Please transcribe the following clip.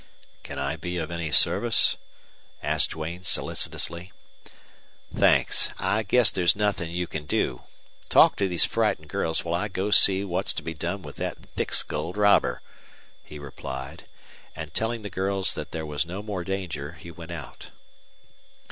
"Can I be of any service?" asked Duane, solicitously. "Thanks; I guess there's nothing you can do. Talk to these frightened girls while I go see what's to be done with that thick skulled robber," he replied, and, telling the girls that there was no more danger, he went out.